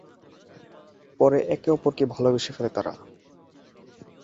পরে একে অপরকে ভালোবেসে ফেলে তারা।